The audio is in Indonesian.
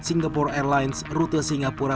singapore airlines rute singapura